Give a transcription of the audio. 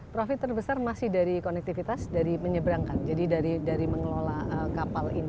profit terbesar masih dari konektivitas dari menyeberangkan jadi dari mengelola kapal ini